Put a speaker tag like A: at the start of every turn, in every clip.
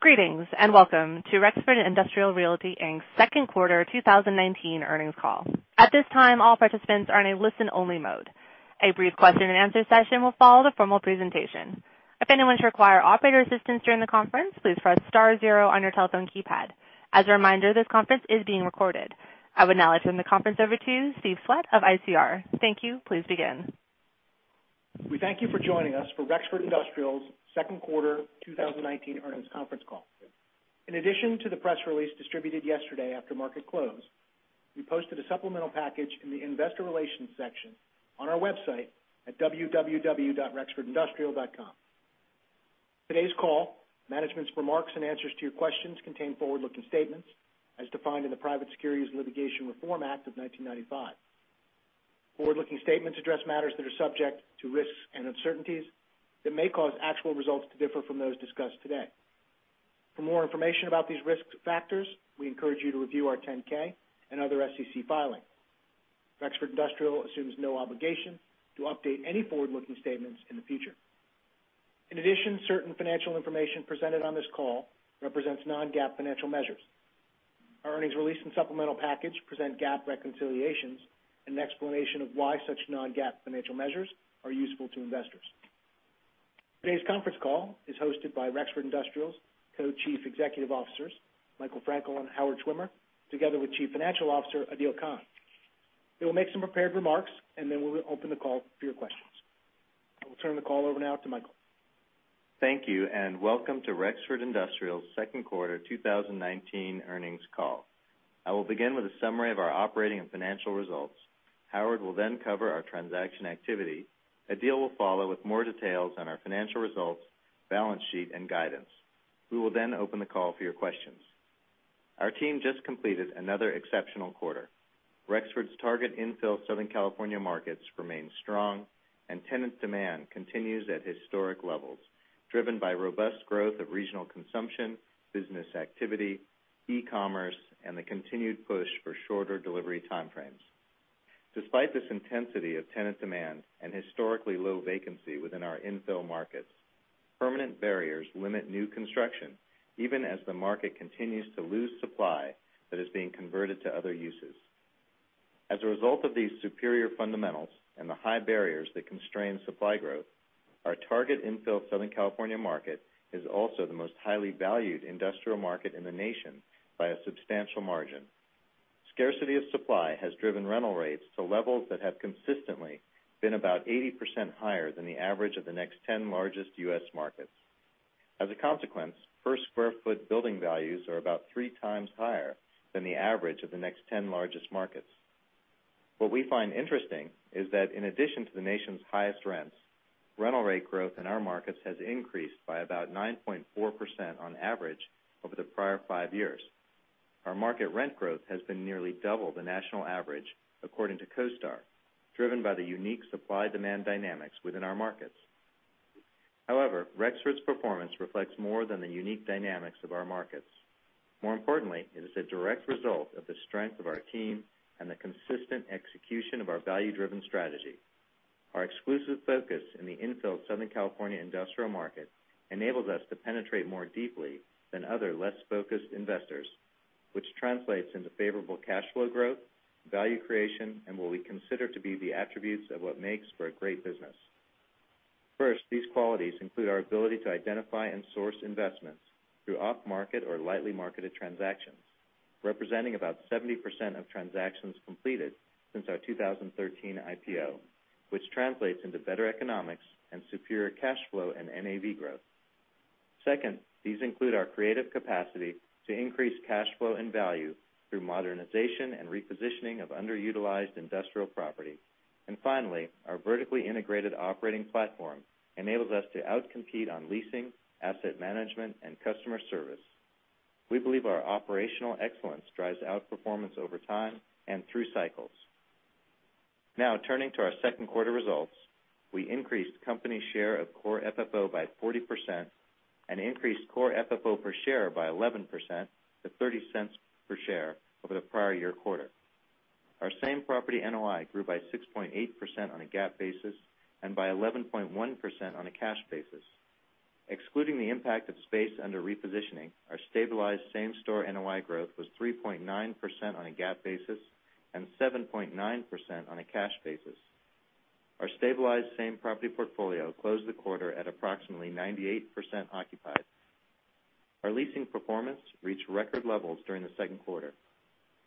A: Greetings, and welcome to Rexford Industrial Realty, Inc's second quarter 2019 earnings call. At this time, all participants are in a listen only mode. A brief question and answer session will follow the formal presentation. If anyone should require operator assistance during the conference, please press star zero on your telephone keypad. As a reminder, this conference is being recorded. I would now like to turn the conference over to Steve Swett of ICR. Thank you. Please begin.
B: We thank you for joining us for Rexford Industrial's second quarter 2019 earnings conference call. In addition to the press release distributed yesterday after market close, we posted a supplemental package in the investor relations section on our website at www.rexfordindustrial.com. Today's call, management's remarks, and answers to your questions contain forward-looking statements, as defined in the Private Securities Litigation Reform Act of 1995. Forward-looking statements address matters that are subject to risks and uncertainties that may cause actual results to differ from those discussed today. For more information about these risk factors, we encourage you to review our 10-K and other SEC filings. Rexford Industrial assumes no obligation to update any forward-looking statements in the future. In addition, certain financial information presented on this call represents non-GAAP financial measures. Our earnings release and supplemental package present GAAP reconciliations and an explanation of why such non-GAAP financial measures are useful to investors. Today's conference call is hosted by Rexford Industrial's Co-Chief Executive Officers, Michael Frankel and Howard Schwimmer, together with Chief Financial Officer, Adeel Khan. They will make some prepared remarks, and then we'll open the call for your questions. I will turn the call over now to Michael.
C: Thank you. Welcome to Rexford Industrial's second quarter 2019 earnings call. I will begin with a summary of our operating and financial results. Howard will cover our transaction activity. Adeel will follow with more details on our financial results, balance sheet, and guidance. We will open the call for your questions. Our team just completed another exceptional quarter. Rexford's target infill Southern California markets remain strong, and tenant demand continues at historic levels, driven by robust growth of regional consumption, business activity, e-commerce, and the continued push for shorter delivery timeframes. Despite this intensity of tenant demand and historically low vacancy within our infill markets, permanent barriers limit new construction, even as the market continues to lose supply that is being converted to other uses. As a result of these superior fundamentals and the high barriers that constrain supply growth, our target infill Southern California market is also the most highly valued industrial market in the nation by a substantial margin. Scarcity of supply has driven rental rates to levels that have consistently been about 80% higher than the average of the next 10 largest U.S. markets. As a consequence, per square foot building values are about 3x higher than the average of the next 10 largest markets. What we find interesting is that in addition to the nation's highest rents, rental rate growth in our markets has increased by about 9.4% on average over the prior five years. Our market rent growth has been nearly double the national average, according to CoStar, driven by the unique supply-demand dynamics within our markets. However, Rexford's performance reflects more than the unique dynamics of our markets. More importantly, it is a direct result of the strength of our team and the consistent execution of our value-driven strategy. Our exclusive focus in the infill Southern California industrial market enables us to penetrate more deeply than other less focused investors, which translates into favorable cash flow growth, value creation, and what we consider to be the attributes of what makes for a great business. First, these qualities include our ability to identify and source investments through off-market or lightly marketed transactions, representing about 70% of transactions completed since our 2013 IPO, which translates into better economics and superior cash flow and NAV growth. Second, these include our creative capacity to increase cash flow and value through modernization and repositioning of underutilized industrial property. Finally, our vertically integrated operating platform enables us to out-compete on leasing, asset management, and customer service. We believe our operational excellence drives outperformance over time and through cycles. Now, turning to our second quarter results. We increased company share of core FFO by 40% and increased core FFO per share by 11% to $0.30 per share over the prior year quarter. Our same property NOI grew by 6.8% on a GAAP basis and by 11.1% on a cash basis. Excluding the impact of space under repositioning, our stabilized same store NOI growth was 3.9% on a GAAP basis and 7.9% on a cash basis. Our stabilized same property portfolio closed the quarter at approximately 98% occupied. Our leasing performance reached record levels during the second quarter.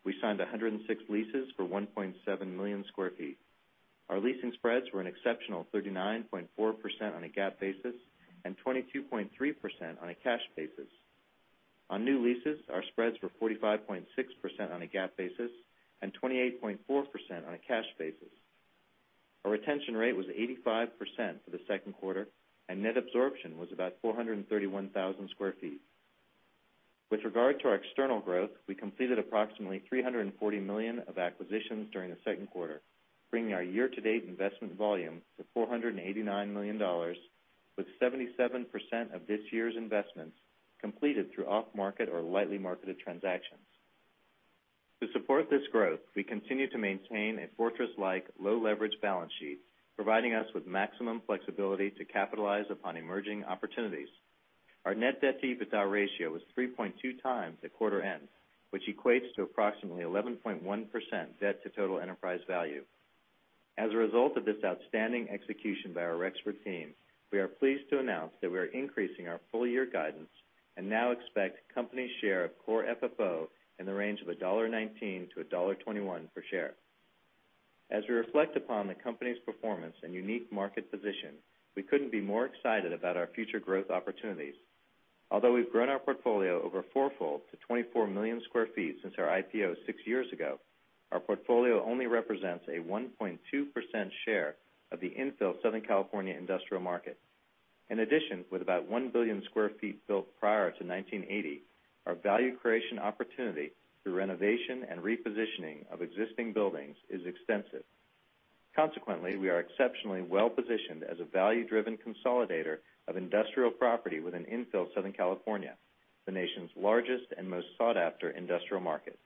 C: We signed 106 leases for 1.7 million square feet. Our leasing spreads were an exceptional 39.4% on a GAAP basis and 22.3% on a cash basis. On new leases, our spreads were 45.6% on a GAAP basis and 28.4% on a cash basis. Our retention rate was 85% for the second quarter, and net absorption was about 431,000 sq ft. With regard to our external growth, we completed approximately $340 million of acquisitions during the second quarter, bringing our year-to-date investment volume to $489 million, with 77% of this year's investments completed through off-market or lightly marketed transactions. To support this growth, we continue to maintain a fortress-like low leverage balance sheet, providing us with maximum flexibility to capitalize upon emerging opportunities. Our net debt to EBITDA ratio was 3.2x at quarter end, which equates to approximately 11.1% debt to total enterprise value. As a result of this outstanding execution by our expert team, we are pleased to announce that we are increasing our full year guidance and now expect company share of core FFO in the range of $1.19-$1.21 per share. As we reflect upon the company's performance and unique market position, we couldn't be more excited about our future growth opportunities. Although we've grown our portfolio over four-fold to 24 million square feet since our IPO six years ago, our portfolio only represents a 1.2% share of the infill Southern California industrial market. In addition, with about 1 billion square feet built prior to 1980, our value creation opportunity through renovation and repositioning of existing buildings is extensive. Consequently, we are exceptionally well-positioned as a value-driven consolidator of industrial property within infill Southern California, the nation's largest and most sought-after industrial market.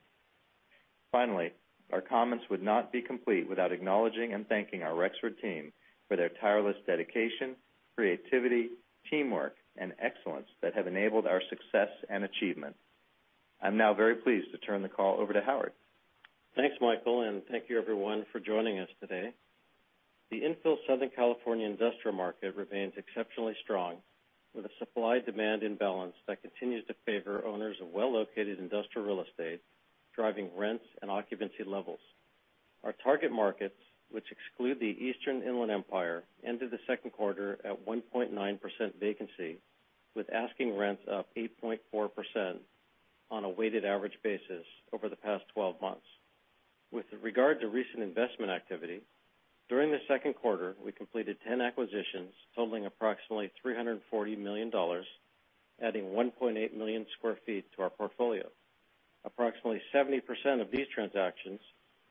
C: Finally, our comments would not be complete without acknowledging and thanking our Rexford team for their tireless dedication, creativity, teamwork, and excellence that have enabled our success and achievement. I'm now very pleased to turn the call over to Howard.
D: Thanks, Michael, and thank you everyone for joining us today. The infill Southern California industrial market remains exceptionally strong with a supply-demand imbalance that continues to favor owners of well-located industrial real estate, driving rents and occupancy levels. Our target markets, which exclude the eastern Inland Empire, ended the second quarter at 1.9% vacancy, with asking rents up 8.4% on a weighted average basis over the past 12 months. With regard to recent investment activity, during the second quarter, we completed 10 acquisitions totaling approximately $340 million, adding 1.8 million square feet to our portfolio. Approximately 70% of these transactions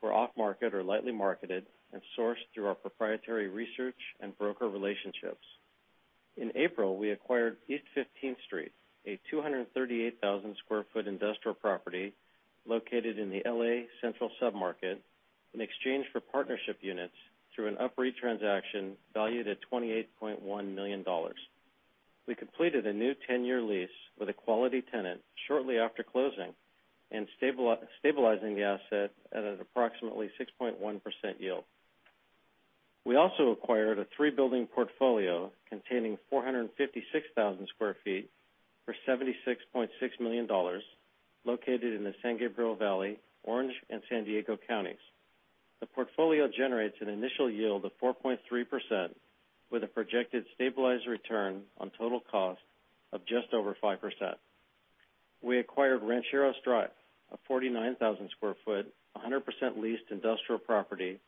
D: were off-market or lightly marketed and sourced through our proprietary research and broker relationships. In April, we acquired East 15th Street, a 238,000 sq ft industrial property located in the L.A. Central submarket, in exchange for partnership units through an UPREIT transaction valued at $28.1 million. We completed a new 10-year lease with a quality tenant shortly after closing and stabilizing the asset at an approximately 6.1% yield. We also acquired a three-building portfolio containing 456,000 sq ft for $76.6 million located in the San Gabriel Valley, Orange, and San Diego counties. The portfolio generates an initial yield of 4.3% with a projected stabilized return on total cost of just over 5%. We acquired Rancheros Drive, a 49,000 sq ft, 100% leased industrial property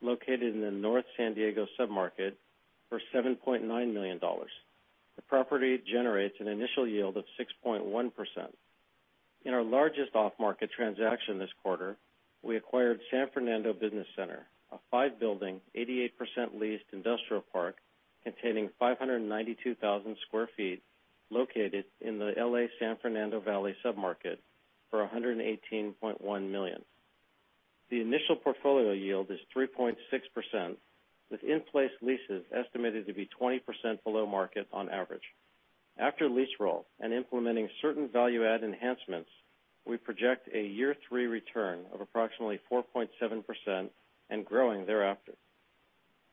D: located in the North San Diego submarket for $7.9 million. The property generates an initial yield of 6.1%. In our largest off-market transaction this quarter, we acquired San Fernando Business Center, a five-building, 88% leased industrial park containing 592,000 sq ft, located in the L.A. San Fernando Valley submarket for $118.1 million. The initial portfolio yield is 3.6%, with in-place leases estimated to be 20% below market on average. After lease roll and implementing certain value add enhancements, we project a year three return of approximately 4.7% and growing thereafter.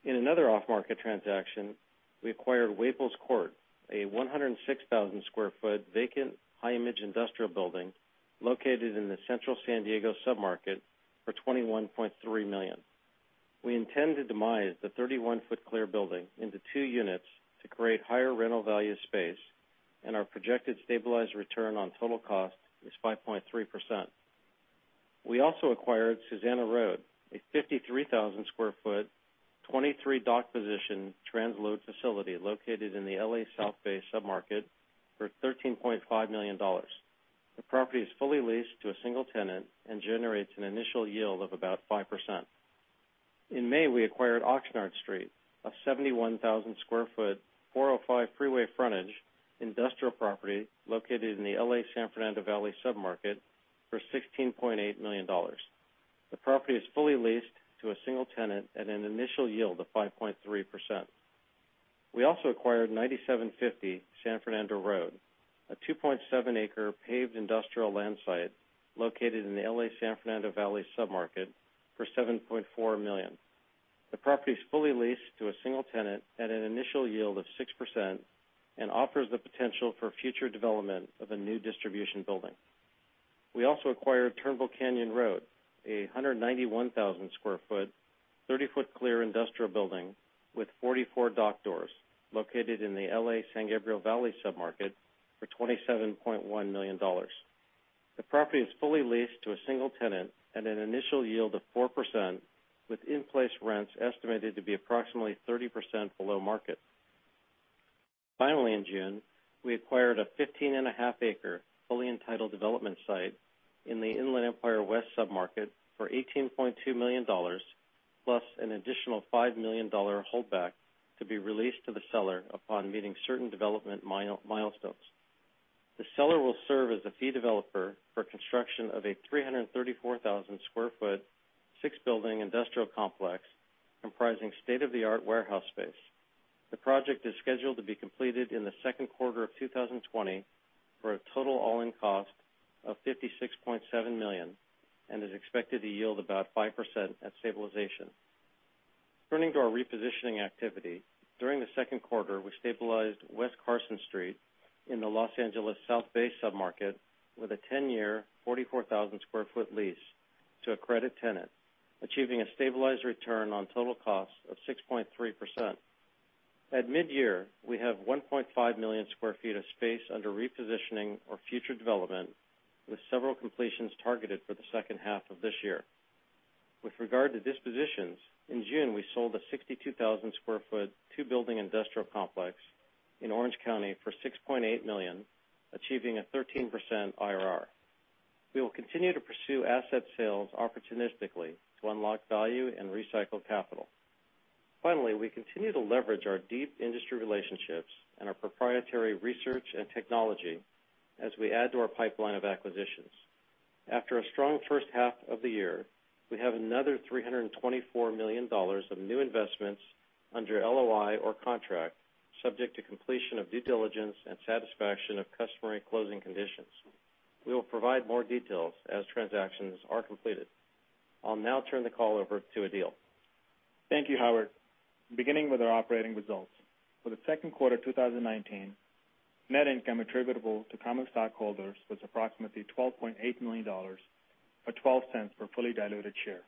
D: In another off-market transaction, we acquired Waples Court, a 106,000 sq ft vacant high image industrial building located in the Central San Diego submarket for $21.3 million. We intend to demise the 31-foot clear building into two units to create higher rental value space, and our projected stabilized return on total cost is 5.3%. We also acquired Susana Road, a 53,000 sq ft, 23-dock position transload facility located in the L.A. South Bay submarket for $13.5 million. The property is fully leased to a single tenant and generates an initial yield of about 5%. In May, we acquired Oxnard Street, a 71,000 sq ft, 405 freeway frontage industrial property located in the L.A. San Fernando Valley submarket for $16.8 million. The property is fully leased to a single tenant at an initial yield of 5.3%. We also acquired 9750 San Fernando Road, a 2.7 acres paved industrial land site located in the L.A. San Fernando Valley submarket for $7.4 million. The property is fully leased to a single tenant at an initial yield of 6% and offers the potential for future development of a new distribution building. We also acquired Turnbull Canyon Road, a 191,000 sq ft, 30-ft clear industrial building with 44 dock doors located in the L.A. San Gabriel Valley submarket for $27.1 million. The property is fully leased to a single tenant at an initial yield of 4%, with in-place rents estimated to be approximately 30% below market. In June, we acquired a 15.5-acre, fully entitled development site in the Inland Empire West submarket for $18.2 million plus an additional $5 million holdback to be released to the seller upon meeting certain development milestones. The seller will serve as the fee developer for construction of a 334,000 sq ft, six-building industrial complex comprising state-of-the-art warehouse space. The project is scheduled to be completed in the second quarter of 2020 for a total all-in cost of $56.7 million and is expected to yield about 5% at stabilization. Turning to our repositioning activity. During the second quarter, we stabilized West Carson Street in the Los Angeles South Bay submarket with a 10-year, 44,000 sq ft lease to a credit tenant, achieving a stabilized return on total cost of 6.3%. At mid-year, we have 1.5 million square feet of space under repositioning or future development, with several completions targeted for the second half of this year. With regard to dispositions, in June, we sold a 62,000 sq ft, two-building industrial complex in Orange County for $6.8 million, achieving a 13% IRR. We will continue to pursue asset sales opportunistically to unlock value and recycle capital. Finally, we continue to leverage our deep industry relationships and our proprietary research and technology as we add to our pipeline of acquisitions. After a strong first half of the year, we have another $324 million of new investments under LOI or contract, subject to completion of due diligence and satisfaction of customary closing conditions. We will provide more details as transactions are completed. I'll now turn the call over to Adeel.
E: Thank you, Howard. Beginning with our operating results. For the second quarter 2019, net income attributable to common stockholders was approximately $12.8 million, or $0.12 per fully diluted share.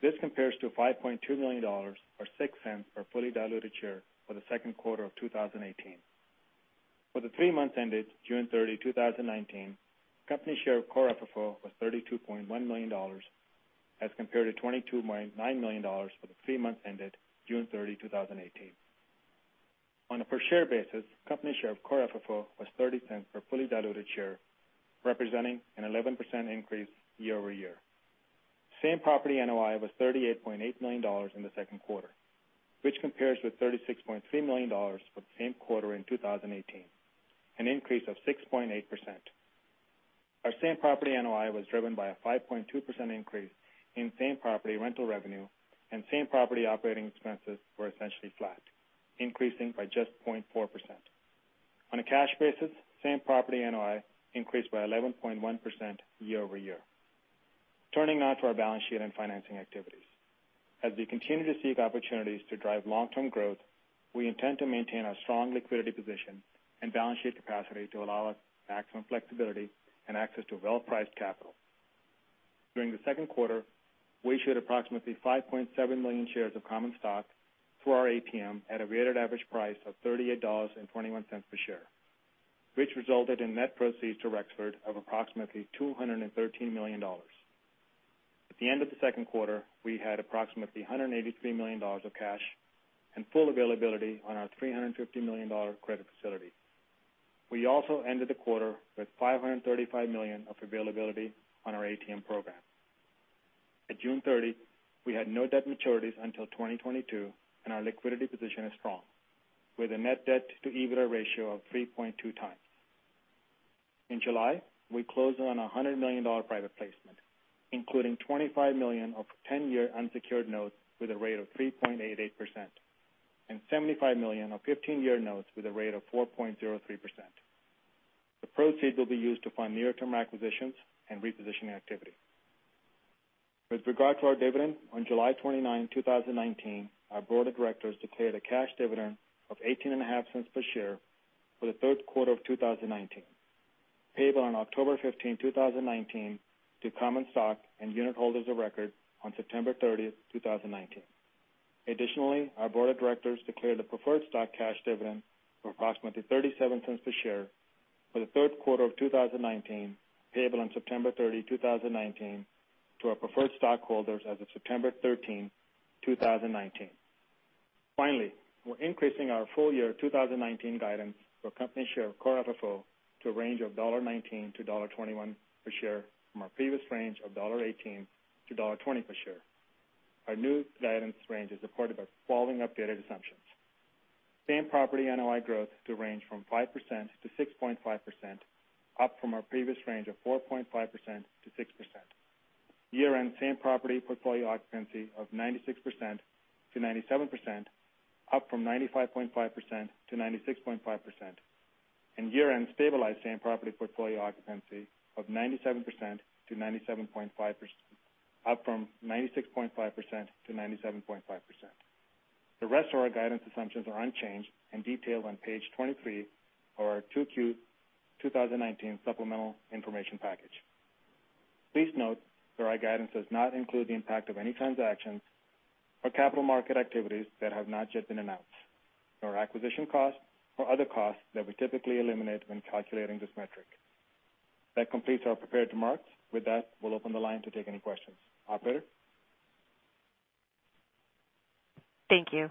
E: This compares to $5.2 million, or $0.06 per fully diluted share for the second quarter of 2018. For the three months ended June 30, 2019, company share of core FFO was $32.1 million as compared to $22.9 million for the three months ended June 30, 2018. On a per share basis, company share of core FFO was $0.30 per fully diluted share, representing an 11% increase year-over-year. Same property NOI was $38.8 million in the second quarter, which compares with $36.3 million for the same quarter in 2018, an increase of 6.8%. Our same property NOI was driven by a 5.2% increase in same property rental revenue, and same property operating expenses were essentially flat, increasing by just 0.4%. On a cash basis, same property NOI increased by 11.1% year-over-year. Turning now to our balance sheet and financing activities. As we continue to seek opportunities to drive long-term growth, we intend to maintain our strong liquidity position and balance sheet capacity to allow us maximum flexibility and access to well-priced capital. During the second quarter, we issued approximately 5.7 million shares of common stock through our ATM at a weighted average price of $38.21 per share. Which resulted in net proceeds to Rexford of approximately $213 million. At the end of the second quarter, we had approximately $183 million of cash and full availability on our $350 million credit facility. We also ended the quarter with $535 million of availability on our ATM program. At June 30, we had no debt maturities until 2022, and our liquidity position is strong, with a net debt to EBITDA ratio of 3.2x. In July, we closed on a $100 million private placement, including $25 million of 10-year unsecured notes with a rate of 3.88%, and $75 million of 15-year notes with a rate of 4.03%. The proceeds will be used to fund near-term acquisitions and repositioning activity. With regard to our dividend, on July 29, 2019, our board of directors declared a cash dividend of $0.185 per share for the third quarter of 2019, payable on October 15, 2019, to common stock and unit holders of record on September 30, 2019. Additionally, our board of directors declared a preferred stock cash dividend of approximately $0.37 per share for the third quarter of 2019, payable on September 30, 2019, to our preferred stockholders as of September 13, 2019. We're increasing our full year 2019 guidance for company share of core FFO to a range of $1.19-$1.21 per share from our previous range of $1.18-$1.20 per share. Our new guidance range is supported by the following updated assumptions. Same property NOI growth to range from 5%-6.5%, up from our previous range of 4.5%-6%. Year-end same property portfolio occupancy of 96%-97%, up from 95.5%-96.5%. Year-end stabilized same property portfolio occupancy of 97%-97.5%, up from 96.5%-97.5%. The rest of our guidance assumptions are unchanged and detailed on page 23 of our 2Q 2019 supplemental information package. Please note that our guidance does not include the impact of any transactions or capital market activities that have not yet been announced, nor acquisition costs or other costs that we typically eliminate when calculating this metric. That completes our prepared remarks. With that, we'll open the line to take any questions. Operator?
A: Thank you.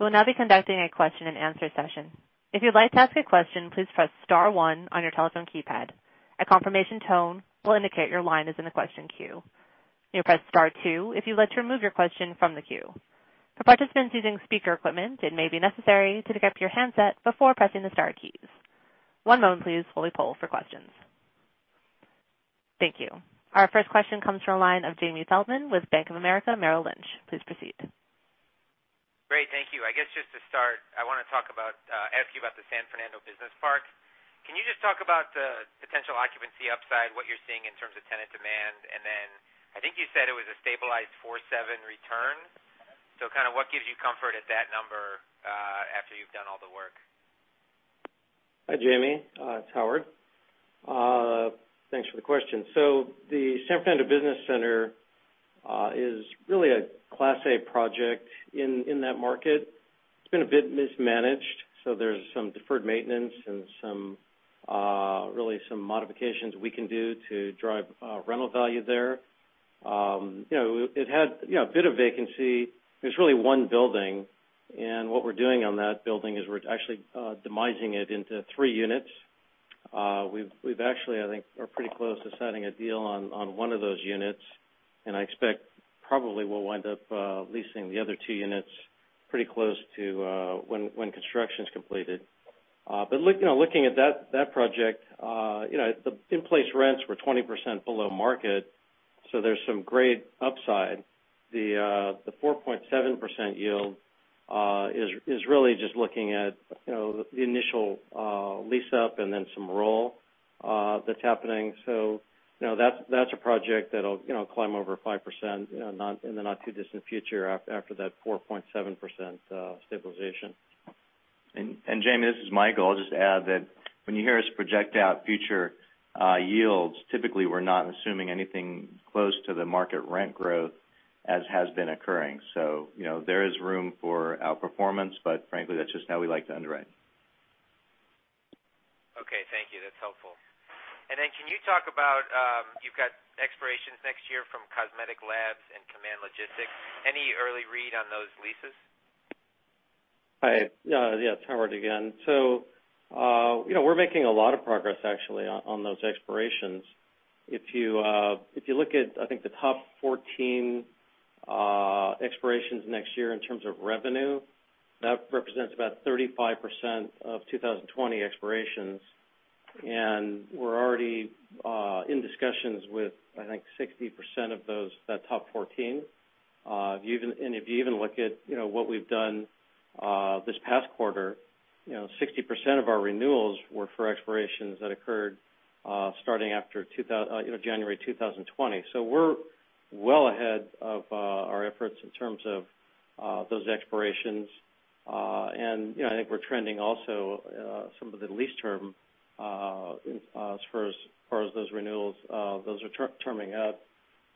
A: We'll now be conducting a question and answer session. If you'd like to ask a question, please press star one on your telephone keypad. A confirmation tone will indicate your line is in the question queue. You'll press star two if you'd like to remove your question from the queue. For participants using speaker equipment, it may be necessary to pick up your handset before pressing the star keys. One moment please while we poll for questions. Thank you. Our first question comes from the line of Jamie Feldman with Bank of America Merrill Lynch. Please proceed.
F: Great. Thank you. I guess just to start, I want to ask you about the San Fernando Business Center. Can you just talk about the potential occupancy upside, what you're seeing in terms of tenant demand? I think you said it was a stabilized 4.7% return. What gives you comfort at that number after you've done all the work?
D: Hi, Jamie. It's Howard. Thanks for the question. The San Fernando Business Center is really a class A project in that market. It's been a bit mismanaged, so there's some deferred maintenance and really some modifications we can do to drive rental value there. It had a bit of vacancy. There's really one building, and what we're doing on that building is we're actually demising it into three units. We've actually, I think, are pretty close to signing a deal on one of those units, and I expect probably we'll wind up leasing the other two units pretty close to when construction's completed. Looking at that project, the in-place rents were 20% below market, so there's some great upside. The 4.7% yield is really just looking at the initial lease-up and then some roll that's happening. That's a project that'll climb over 5% in the not-too-distant future after that 4.7% stabilization.
C: Jamie, this is Michael. I'll just add that when you hear us project out future yields, typically, we're not assuming anything close to the market rent growth as has been occurring. There is room for outperformance, but frankly, that's just how we like to underwrite.
F: Okay. Thank you. That's helpful. Can you talk about, you've got expirations next year from Cosmetic Labs and Command Logistics. Any early read on those leases?
D: Hi. Yeah, it's Howard again. We're making a lot of progress actually on those expirations. If you look at, I think, the top 14 expirations next year in terms of revenue, that represents about 35% of 2020 expirations. We're already in discussions with, I think, 60% of that top 14. If you even look at what we've done this past quarter, 60% of our renewals were for expirations that occurred starting after January 2020. We're well ahead of our efforts in terms of those expirations. I think we're trending also some of the lease term as far as those renewals. Those are terming up.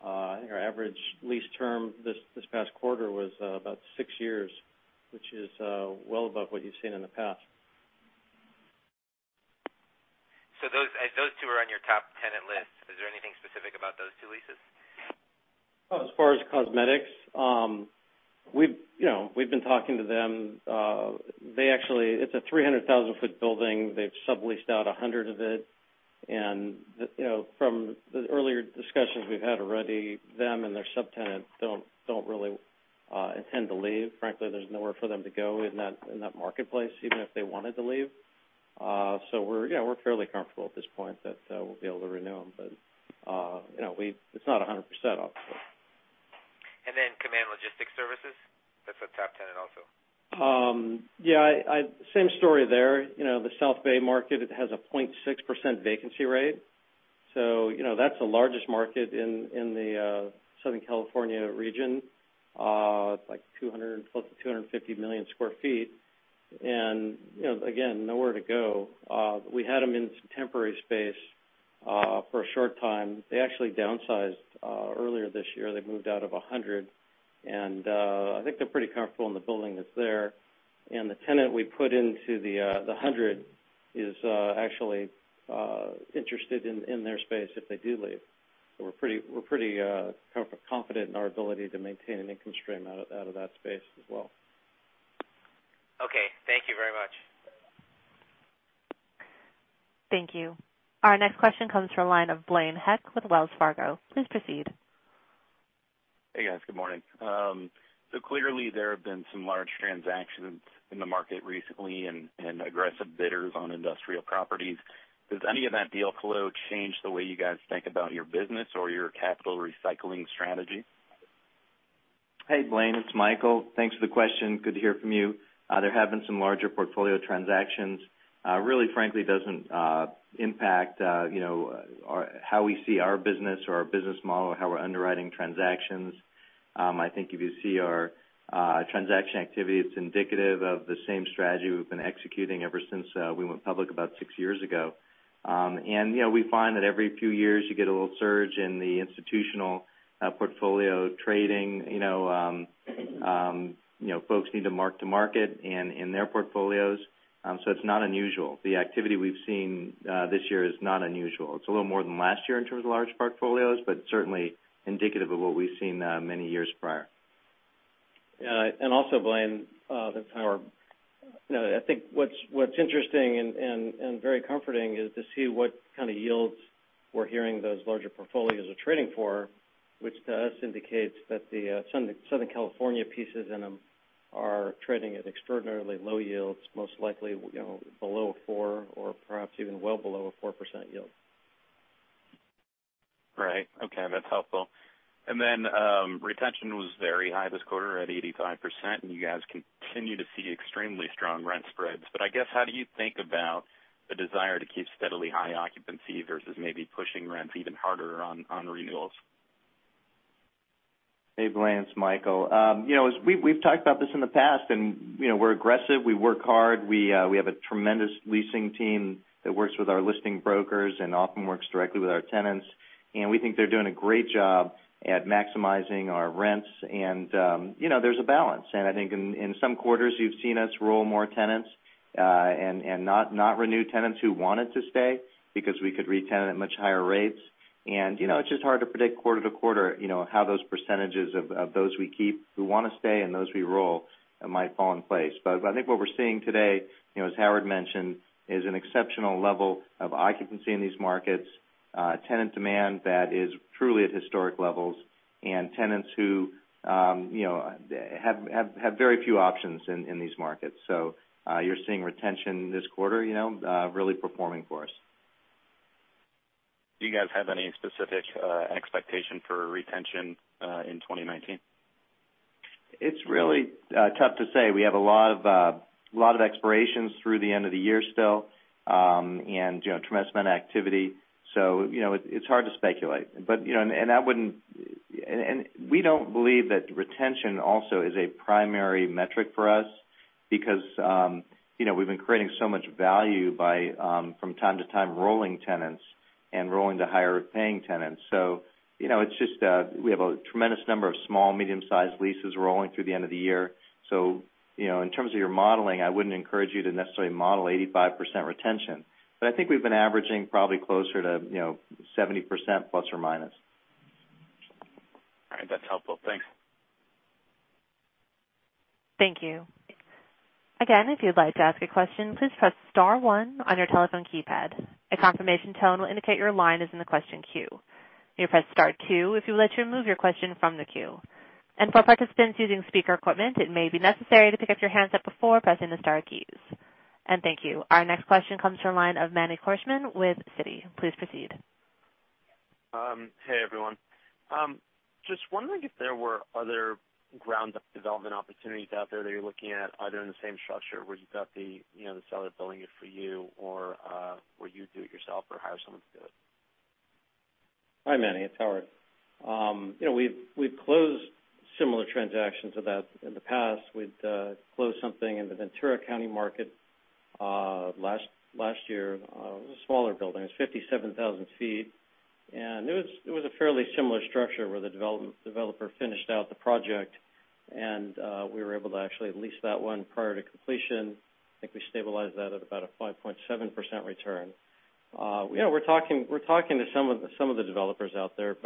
D: I think our average lease term this past quarter was about six years, which is well above what you've seen in the past.
F: Those two are on your top tenant list. Is there anything specific about those two leases?
D: As far as Cosmetics, we've been talking to them. It's a 300,000-ft building. They've subleased out 100 of it. From the earlier discussions we've had already, them and their subtenant don't really intend to leave. Frankly, there's nowhere for them to go in that marketplace, even if they wanted to leave. We're fairly comfortable at this point that we'll be able to renew them. It's not 100%, obviously.
F: Command Logistic Services, that's a top tenant also.
D: Yeah. Same story there. The South Bay market, it has a 0.6% vacancy rate. That's the largest market in the Southern California region. It's close to 250 million square feet. Again, nowhere to go. We had them in some temporary space for a short time. They actually downsized earlier this year. They moved out of 100, and I think they're pretty comfortable in the building that's there. The tenant we put into the 100 is actually interested in their space if they do leave. We're pretty confident in our ability to maintain an income stream out of that space as well.
F: Okay. Thank you very much.
A: Thank you. Our next question comes from the line of Blaine Heck with Wells Fargo. Please proceed.
G: Hey, guys. Good morning. Clearly, there have been some large transactions in the market recently and aggressive bidders on industrial properties. Does any of that deal flow change the way you guys think about your business or your capital recycling strategy?
C: Hey, Blaine, it's Michael. Thanks for the question. Good to hear from you. There have been some larger portfolio transactions. Really, frankly, doesn't impact how we see our business or our business model or how we're underwriting transactions. I think if you see our transaction activity, it's indicative of the same strategy we've been executing ever since we went public about six years ago. We find that every few years, you get a little surge in the institutional portfolio trading. Folks need to mark to market in their portfolios. It's not unusual. The activity we've seen this year is not unusual. It's a little more than last year in terms of large portfolios, but certainly indicative of what we've seen many years prior.
D: Also, Blaine, that's Howard. I think what's interesting and very comforting is to see what kind of yields we're hearing those larger portfolios are trading for, which to us indicates that the Southern California pieces in them are trading at extraordinarily low yields, most likely below 4% or perhaps even well below a 4% yield.
G: Right. Okay, that's helpful. Retention was very high this quarter at 85%, and you guys continue to see extremely strong rent spreads. How do you think about the desire to keep steadily high occupancy versus maybe pushing rents even harder on renewals?
C: Hey, Blaine, it's Michael. We've talked about this in the past. We're aggressive, we work hard, we have a tremendous leasing team that works with our listing brokers and often works directly with our tenants. We think they're doing a great job at maximizing our rents. There's a balance. I think in some quarters, you've seen us roll more tenants, not renew tenants who wanted to stay because we could re-tenant at much higher rates. It's just hard to predict quarter to quarter, how those percentages of those we keep who want to stay and those we roll might fall in place. I think what we're seeing today, as Howard mentioned, is an exceptional level of occupancy in these markets, tenant demand that is truly at historic levels, tenants who have very few options in these markets. You're seeing retention this quarter really performing for us.
G: Do you guys have any specific expectation for retention in 2019?
C: It's really tough to say. We have a lot of expirations through the end of the year still, and tremendous amount of activity. It's hard to speculate. We don't believe that retention also is a primary metric for us because we've been creating so much value by from time to time rolling tenants and rolling to higher-paying tenants. We have a tremendous number of small, medium-sized leases rolling through the end of the year. In terms of your modeling, I wouldn't encourage you to necessarily model 85% retention, but I think we've been averaging probably closer to 70%±.
G: All right. That's helpful. Thanks.
A: If you'd like to ask a question, please press star one on your telephone keypad. A confirmation tone will indicate your line is in the question queue. You may press star two if you would like to remove your question from the queue. For participants using speaker equipment, it may be necessary to pick up your handset before pressing the star keys. Thank you. Our next question comes from the line of Manny Korchman with Citi. Please proceed.
H: Hey, everyone. Just wondering if there were other ground-up development opportunities out there that you're looking at, either in the same structure where you've got the seller building it for you, or where you do it yourself or hire someone to do it?
D: Hi, Manny. It's Howard. We've closed similar transactions to that in the past. We'd closed something in the Ventura County market last year. It was a smaller building. It was 57,000 sq ft. It was a fairly similar structure where the developer finished out the project, and we were able to actually lease that one prior to completion. I think we stabilized that at about a 5.7% return. We're talking to some of the developers out there,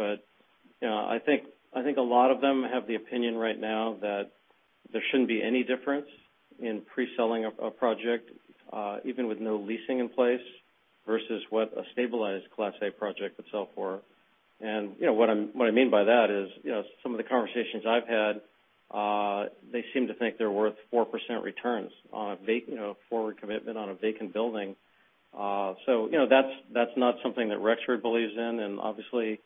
D: I think a lot of them have the opinion right now that there shouldn't be any difference in pre-selling a project, even with no leasing in place, versus what a stabilized Class A project would sell for. What I mean by that is, some of the conversations I've had, they seem to think they're worth 4% returns on a forward commitment on a vacant building. That's not something that Rexford believes in, and obviously,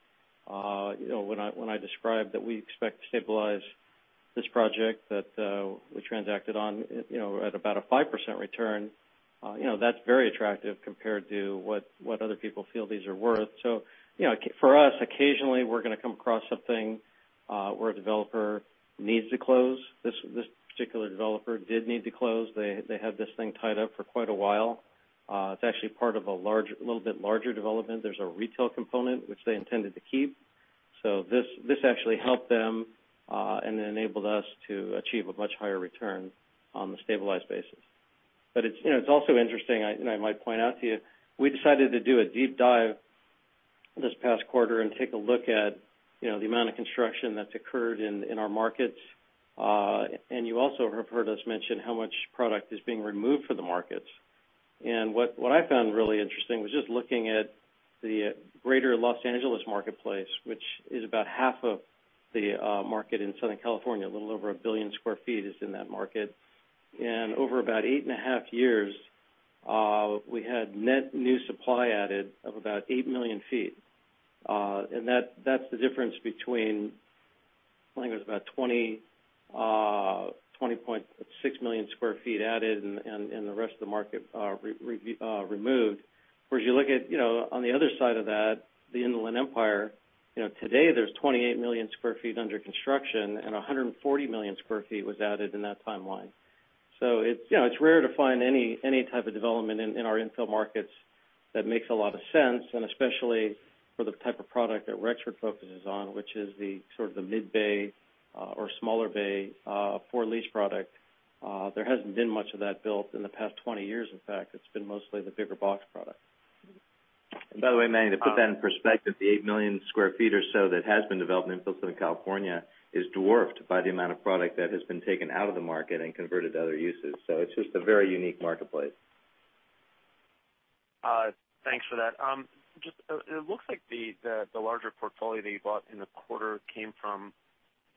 D: when I describe that we expect to stabilize this project that we transacted on at about a 5% return, that's very attractive compared to what other people feel these are worth. For us, occasionally, we're going to come across something where a developer needs to close. This particular developer did need to close. They had this thing tied up for quite a while. It's actually part of a little bit larger development. There's a retail component, which they intended to keep. This actually helped them, and it enabled us to achieve a much higher return on the stabilized basis. It's also interesting, and I might point out to you, we decided to do a deep dive this past quarter and take a look at the amount of construction that's occurred in our markets. You also have heard us mention how much product is being removed from the markets. What I found really interesting was just looking at the greater Los Angeles marketplace, which is about half of the market in Southern California. A little over a billion square feet is in that market. Over about eight and a half years, we had net new supply added of about 8 million feet. That's the difference between, I think it was about 20.6 million square feet added and the rest of the market removed. Whereas you look at on the other side of that, the Inland Empire, today there's 28 million square feet under construction, and 140 million square feet was added in that timeline. It's rare to find any type of development in our infill markets that makes a lot of sense, and especially for the type of product that Rexford focuses on, which is the sort of the mid-bay or smaller bay for lease product. There hasn't been much of that built in the past 20 years, in fact. It's been mostly the bigger box product.
C: By the way, Manny, to put that in perspective, the 8 million square feet or so that has been developed in Southern California is dwarfed by the amount of product that has been taken out of the market and converted to other uses. It's just a very unique marketplace.
H: Thanks for that. It looks like the larger portfolio that you bought in the quarter came from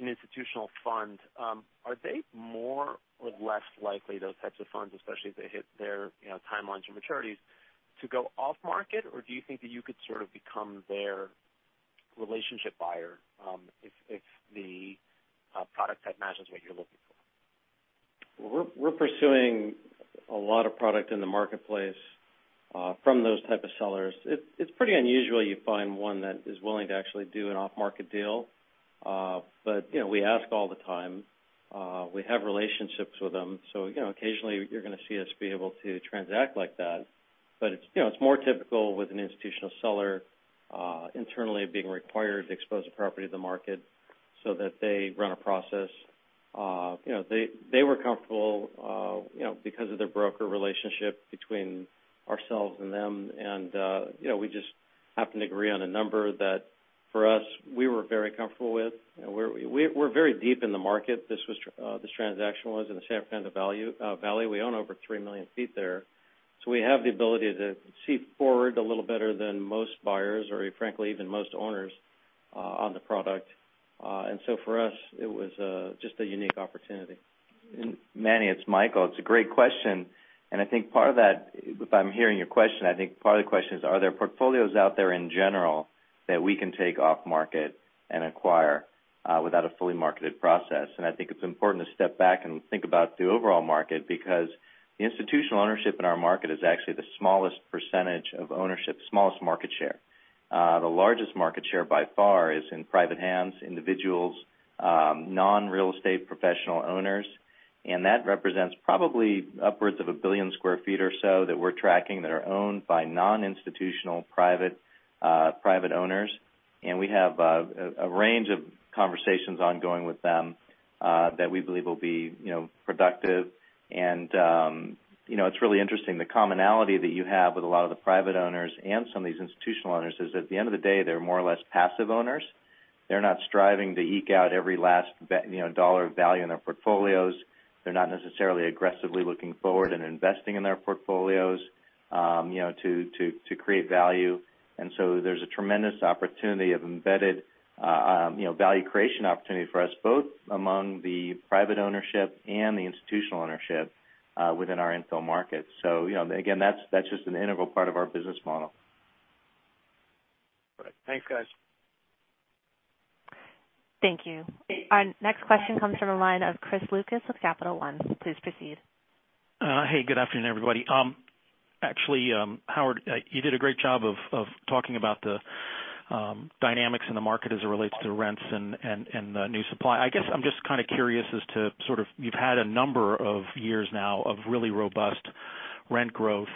H: an institutional fund. Are they more or less likely, those types of funds, especially as they hit their timelines or maturities, to go off-market? Do you think that you could sort of become their relationship buyer, if the product type matches what you're looking for?
D: We're pursuing a lot of product in the marketplace from those type of sellers. It's pretty unusual you find one that is willing to actually do an off-market deal. We ask all the time. We have relationships with them. Occasionally, you're going to see us be able to transact like that. It's more typical with an institutional seller internally being required to expose the property to the market so that they run a process. They were comfortable because of their broker relationship between ourselves and them, and we just happened to agree on a number that, for us, we were very comfortable with. We're very deep in the market. This transaction was in the San Fernando Valley. We own over 3 million square feet there. We have the ability to see forward a little better than most buyers or, frankly, even most owners on the product. For us, it was just a unique opportunity.
C: Manny, it's Michael. It's a great question. I think part of that, if I'm hearing your question, I think part of the question is, are there portfolios out there in general that we can take off-market and acquire without a fully marketed process? I think it's important to step back and think about the overall market, because the institutional ownership in our market is actually the smallest percentage of ownership, smallest market share. The largest market share by far is in private hands, individuals, non-real estate professional owners. That represents probably upwards of 1 billion square feet or so that we're tracking that are owned by non-institutional, private owners. We have a range of conversations ongoing with them that we believe will be productive. It's really interesting. The commonality that you have with a lot of the private owners and some of these institutional owners is, at the end of the day, they're more or less passive owners. They're not striving to eke out every last dollar of value in their portfolios. They're not necessarily aggressively looking forward and investing in their portfolios to create value. There's a tremendous opportunity of embedded value creation opportunity for us, both among the private ownership and the institutional ownership within our infill markets. Again, that's just an integral part of our business model.
H: Great. Thanks, guys.
A: Thank you. Our next question comes from the line of Chris Lucas with Capital One. Please proceed.
I: Hey, good afternoon, everybody. Actually, Howard, you did a great job of talking about the dynamics in the market as it relates to rents and the new supply. I guess I'm just kind of curious as to you've had a number of years now of really robust rent growth.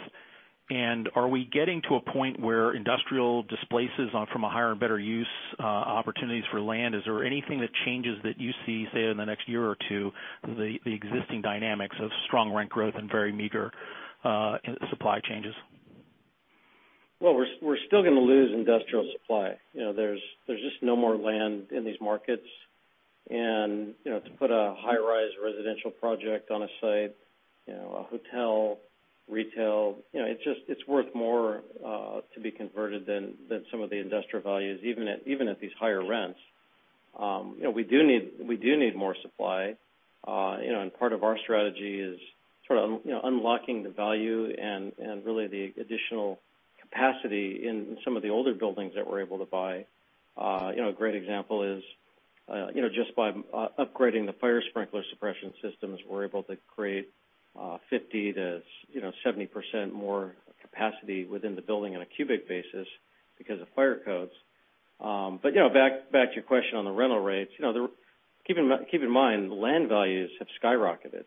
I: Are we getting to a point where industrial displaces from a higher and better use opportunities for land? Is there anything that changes that you see, say, in the next year or two, the existing dynamics of strong rent growth and very meager supply changes?
D: Well, we're still going to lose industrial supply. There's just no more land in these markets. To put a high-rise residential project on a site, a hotel, retail, it's worth more to be converted than some of the industrial values, even at these higher rents. We do need more supply. Part of our strategy is sort of unlocking the value and really the additional capacity in some of the older buildings that we're able to buy. A great example is just by upgrading the fire sprinkler suppression systems, we're able to create 50%-70% more capacity within the building on a cubic basis because of fire codes. Back to your question on the rental rates. Keep in mind, land values have skyrocketed.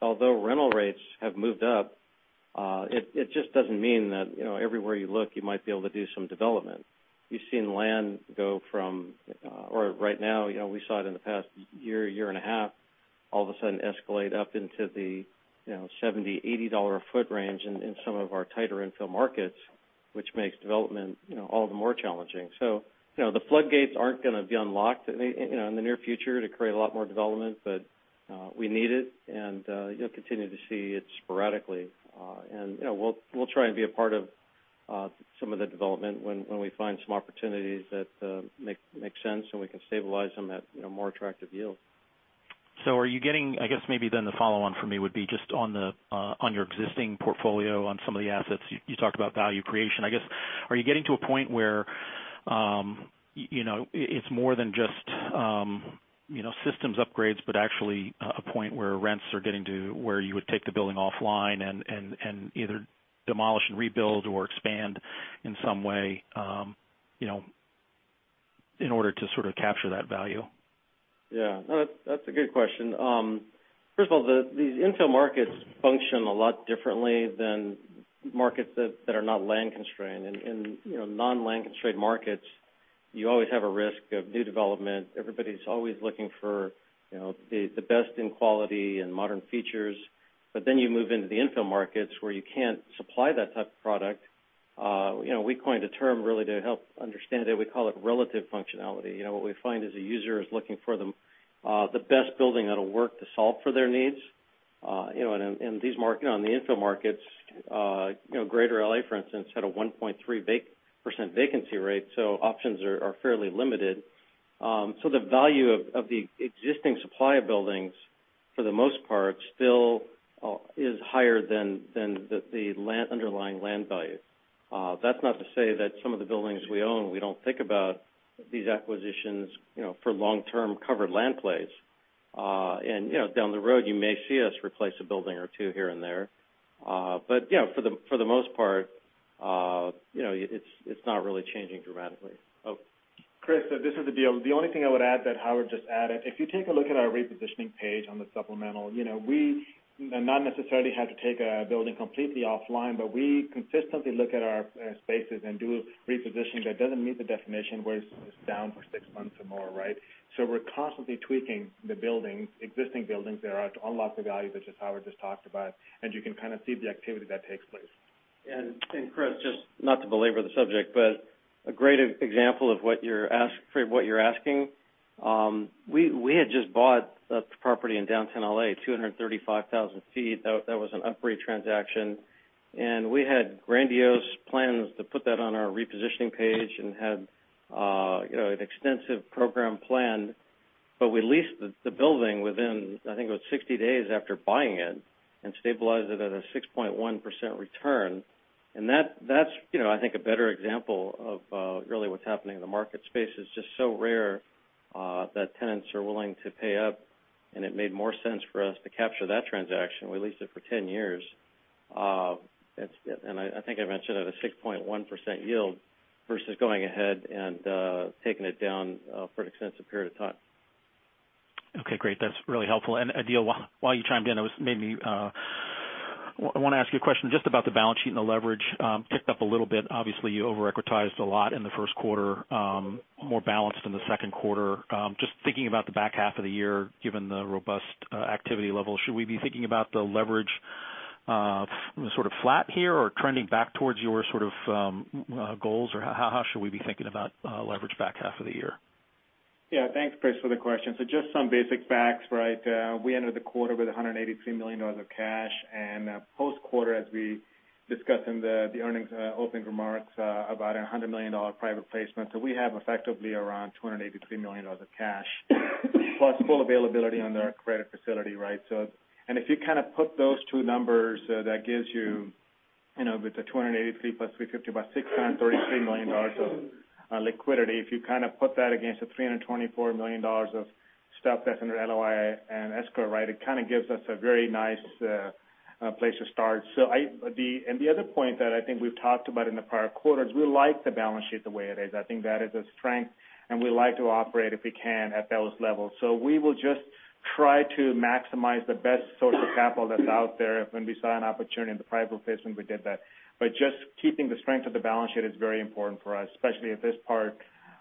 D: Although rental rates have moved up, it just doesn't mean that everywhere you look, you might be able to do some development. You've seen land go from-- or right now, we saw it in the past year and a half, all of a sudden escalate up into the $70, $80 a foot range in some of our tighter infill markets, which makes development all the more challenging. The floodgates aren't going to be unlocked in the near future to create a lot more development, but we need it, and you'll continue to see it sporadically. We'll try and be a part of some of the development when we find some opportunities that make sense and we can stabilize them at more attractive yields.
I: I guess maybe the follow-on for me would be just on your existing portfolio on some of the assets. You talked about value creation. I guess, are you getting to a point where it's more than just systems upgrades, but actually a point where rents are getting to where you would take the building offline and either demolish and rebuild or expand in some way in order to sort of capture that value?
D: Yeah. No, that's a good question. First of all, these infill markets function a lot differently than markets that are not land-constrained. In non-land-constrained markets. You always have a risk of new development. Everybody's always looking for the best in quality and modern features. Then you move into the infill markets where you can't supply that type of product. We coined a term really to help understand it. We call it relative functionality. What we find is a user is looking for the best building that'll work to solve for their needs. In the infill markets, greater L.A., for instance, had a 1.3% vacancy rate. Options are fairly limited. The value of the existing supply of buildings, for the most part, still is higher than the underlying land value. That's not to say that some of the buildings we own, we don't think about these acquisitions for long-term covered land plays. Down the road, you may see us replace a building or two here and there. For the most part, it's not really changing dramatically.
E: Chris, this is Adeel. The only thing I would add that Howard just added, if you take a look at our repositioning page on the supplemental, we not necessarily had to take a building completely offline, but we consistently look at our spaces and do repositioning that doesn't meet the definition where it's down for six months or more. We're constantly tweaking the existing buildings there are to unlock the value that just Howard just talked about, and you can kind of see the activity that takes place.
D: Chris, just not to belabor the subject, but a great example of what you're asking. We had just bought a property in downtown L.A., 235,000 ft. That was an upfront transaction. We had grandiose plans to put that on our repositioning page and had an extensive program planned. We leased the building within, I think it was 60 days after buying it, and stabilized it at a 6.1% return. That's I think a better example of really what's happening in the market space. It's just so rare that tenants are willing to pay up, and it made more sense for us to capture that transaction. We leased it for 10 years. I think I mentioned at a 6.1% yield versus going ahead and taking it down for an extensive period of time.
I: Okay, great. That's really helpful. Adeel, while you chimed in, I want to ask you a question just about the balance sheet and the leverage. Ticked up a little bit. Obviously, you over-equitized a lot in the first quarter, more balanced in the second quarter. Just thinking about the back half of the year, given the robust activity level, should we be thinking about the leverage sort of flat here or trending back towards your goals, or how should we be thinking about leverage back half of the year?
E: Yeah. Thanks, Chris, for the question. Just some basic facts. We ended the quarter with $183 million of cash and post-quarter, as we discussed in the earnings opening remarks, about a $100 million private placement. We have effectively around $283 million of cash, plus full availability on our credit facility. If you put those two numbers, that gives you the $283 million + $350 million, about $633 million of liquidity. If you put that against the $324 million of stuff that's under LOI and escrow, it gives us a very nice place to start. The other point that I think we've talked about in the prior quarters, we like the balance sheet the way it is. I think that is a strength, and we like to operate, if we can, at those levels. We will just try to maximize the best source of capital that's out there. When we saw an opportunity in the private placement, we did that. Just keeping the strength of the balance sheet is very important for us, especially at this part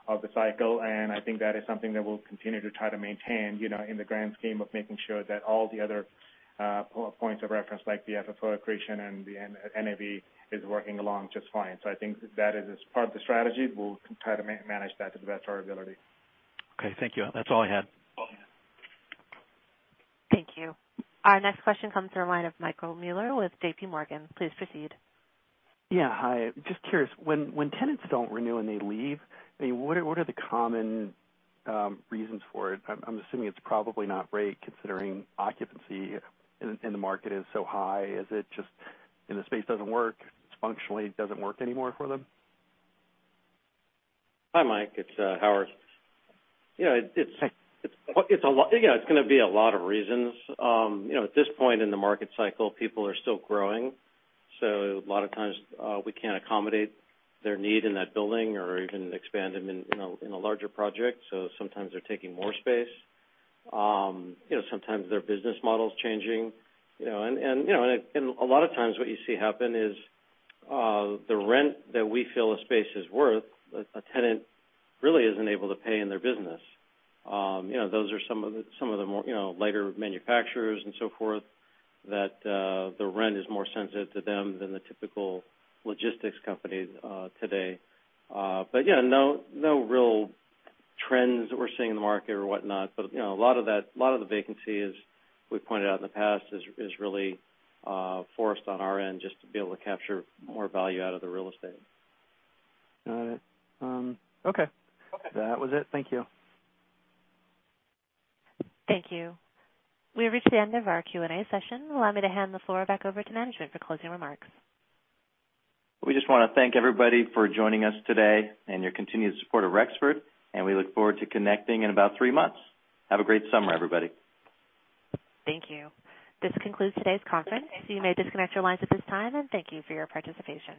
E: of the cycle. I think that is something that we'll continue to try to maintain in the grand scheme of making sure that all the other points of reference, like the FFO accretion and the NAV, is working along just fine. I think that is part of the strategy. We'll try to manage that to the best of our ability.
I: Okay, thank you. That's all I had.
A: Thank you. Our next question comes from the line of Michael Mueller with JPMorgan. Please proceed.
J: Yeah, hi. Just curious, when tenants don't renew and they leave, what are the common reasons for it? I'm assuming it's probably not rate, considering occupancy in the market is so high. Is it just in the space doesn't work, it functionally doesn't work anymore for them?
D: Hi, Mike. It's Howard. It's going to be a lot of reasons. At this point in the market cycle, people are still growing. A lot of times we can't accommodate their need in that building or even expand them in a larger project, so sometimes they're taking more space. Sometimes their business model's changing. A lot of times what you see happen is the rent that we feel a space is worth, a tenant really isn't able to pay in their business. Those are some of the lighter manufacturers and so forth that the rent is more sensitive to them than the typical logistics company today. Yeah, no real trends that we're seeing in the market or whatnot. A lot of the vacancy, as we pointed out in the past, is really forced on our end just to be able to capture more value out of the real estate.
J: Got it. Okay.
D: Okay.
J: That was it. Thank you.
A: Thank you. We've reached the end of our Q&A session. Allow me to hand the floor back over to management for closing remarks.
C: We just want to thank everybody for joining us today and your continued support of Rexford, and we look forward to connecting in about three months. Have a great summer, everybody.
A: Thank you. This concludes today's conference. You may disconnect your lines at this time, and thank you for your participation.